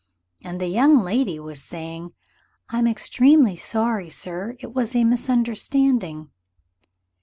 And the young lady was saying, "I am extremely sorry, sir; it was a misunderstanding."